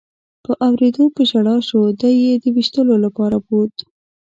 په اورېدو په ژړا شو، دی یې د وېشتلو لپاره بوت.